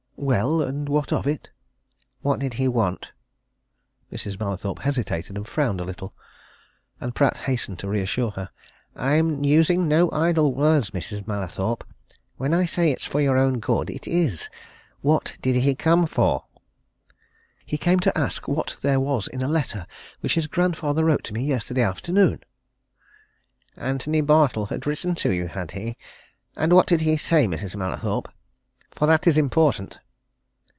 "Well and what of it?" "What did he want?" Mrs. Mallathorpe hesitated and frowned a little. And Pratt hastened to reassure her. "I'm using no idle words, Mrs. Mallathorpe, when I say it's for your own good. It is! What did he come for?" "He came to ask what there was in a letter which his grandfather wrote to me yesterday afternoon." "Antony Bartle had written to you, had he? And what did he say, Mrs. Mallathorpe? For that is important!"